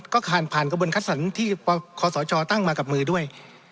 ก็ผ่านผ่านกระบวนคัดสรรที่คศตั้งมากับมือด้วย